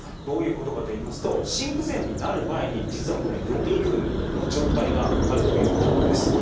どういうことかといいますと心不全になる前に実はこの予備群の状態があるということなんです。